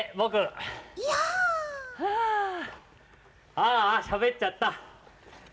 ああしゃべっちゃった。